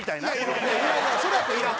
いやいやそれやったらいらん。